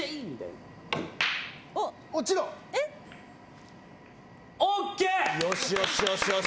よしよしよし。